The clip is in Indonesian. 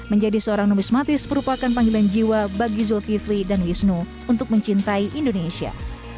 menjadi seorang nomismatis merupakan panggilan jiwa bagi zulkifli dan wisnu untuk mencintai indonesia